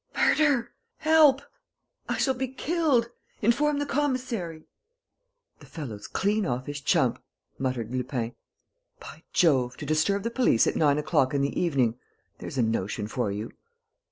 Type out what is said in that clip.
Murder!... Help!... I shall be killed!... Inform the commissary!" "The fellow's clean off his chump!" muttered Lupin. "By Jove!... To disturb the police at nine o'clock in the evening: there's a notion for you!"